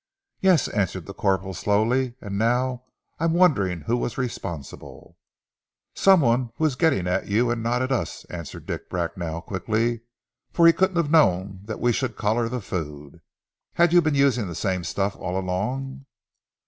"Yes," answered the corporal slowly, "and now I'm wondering who was responsible." "Somebody who was getting at you, and not at us," answered Dick Bracknell quickly, "for he couldn't have known that we should collar the food. Had you been using the same stuff all along?"